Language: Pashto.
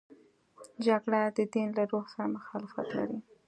جګړه د دین له روح سره مخالفت لري